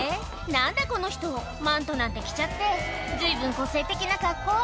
何だこの人マントなんて着ちゃって随分個性的な格好